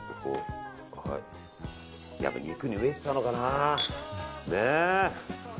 やっぱり肉に飢えてたのかな。